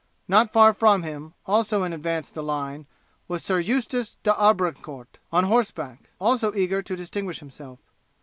Not far from him, also in advance of the line, was Sir Eustace D'Arnbrecicourt on horseback, also eager to distinguish himself.